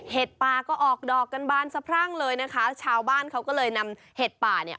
ป่าก็ออกดอกกันบานสะพรั่งเลยนะคะชาวบ้านเขาก็เลยนำเห็ดป่าเนี่ย